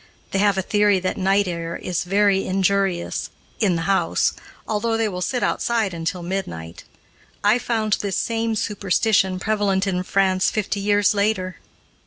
They have a theory that night air is very injurious, in the house, although they will sit outside until midnight. I found this same superstition prevalent in France fifty years later.